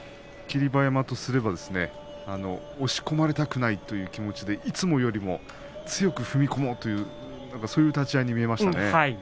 霧馬山とすれば押し込まれたくないという気持ちでいつもより強く踏み込もうという立ち合いでした。